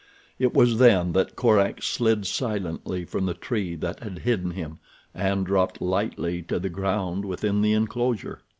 It was then that Korak slid silently from the tree that had hidden him and dropped lightly to the ground within the enclosure.